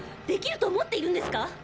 できると思っているんですか